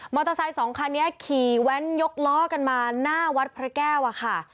สองคันนี้ขี่แว้นยกล้อกันมาหน้าวัดพระแก้วอะค่ะ